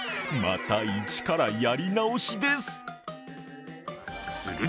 また一からやり直しです。